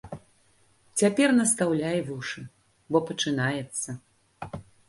Цяпер настаўляй вушы, бо пачынаецца.